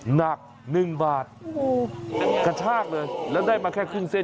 หนักหนึ่งบาทกระชากเลยแล้วได้มาแค่ครึ่งเส้น